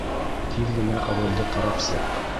Тиҙ генә ролде ҡарап сыҡ!